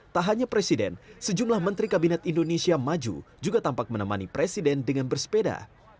tak hanya presiden sejumlah menteri kabinet indonesia maju juga tampak menemani presiden dengan bersepeda